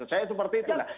saya seperti itu lah